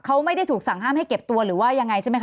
เขาไม่ได้ถูกสั่งห้ามให้เก็บตัวหรือว่ายังไงใช่ไหมค